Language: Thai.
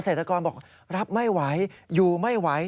เศรษฐกรบอกรับไม่ไหวอยู่ไม่ไหว